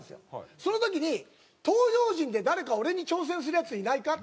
その時に「東洋人で誰か俺に挑戦するヤツいないか？」